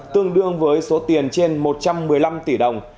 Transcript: tương đương với số tiền trên một trăm một mươi năm tỷ đồng